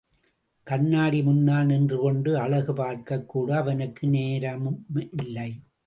கண்ணாடி முன்னால் நின்று கொண்டு அழகு பார்க்கக்கூட அவனுக்கு நேரமும் இல்லை.